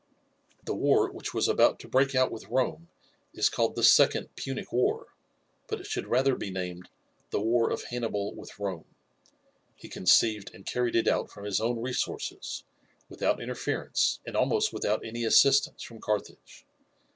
The war which was about to break out with Rome is called the second Punic war, but it should rather be named the war of Hannibal with Rome. He conceived and carried it out from his own resources, without interference and almost without any assistance from Carthage.